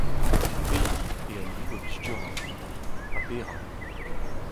Pehini eo al liv a blij deoc'h ar muiañ ha perak ?